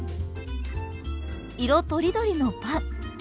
色とりどりのパン。